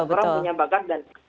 karena orang punya bakat dan